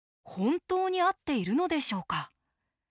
本当に合っているのでしょうか？